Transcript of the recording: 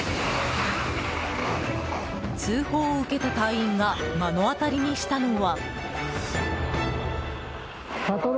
通報を受けた隊員が目の当たりにしたのは。